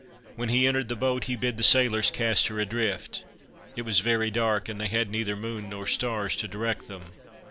When he entered the boat he bid the sailors cast her adrift; it was very dark, and they had neither moon nor stars to direct them.